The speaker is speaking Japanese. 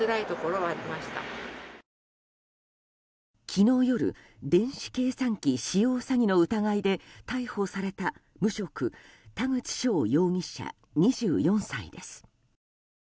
昨日夜電子計算機使用詐欺の疑いで逮捕された無職田口翔容疑者、２４歳です。